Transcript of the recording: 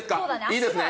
いいですね。